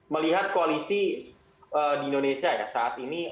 melihat koalisi di indonesia ya saat ini